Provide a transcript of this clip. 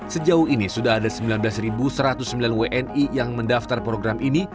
sejauh ini sudah ada sembilan belas satu ratus sembilan wni yang mendaftar program ini